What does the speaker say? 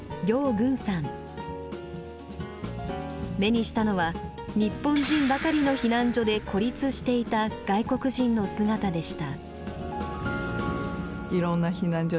目にしたのは日本人ばかりの避難所で孤立していた外国人の姿でした。